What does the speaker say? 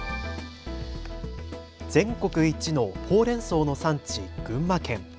全国一のほうれんそうの産地、群馬県。